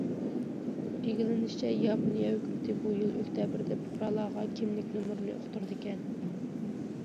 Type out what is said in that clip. ئىگىلىنىشىچە، ياپونىيە ھۆكۈمىتى بۇ يىل ئۆكتەبىردە پۇقرالارغا كىملىك نومۇرىنى ئۇقتۇرىدىكەن.